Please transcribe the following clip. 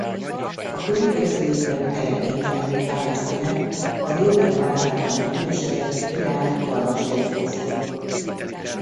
A következő évben eredménytelenül pályázta meg a Weber halálával megüresedett királyi karmesteri posztot.